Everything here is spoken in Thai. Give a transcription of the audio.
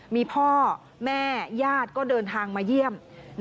มีพ่อแม่ญาติก็เดินทางมาเยี่ยม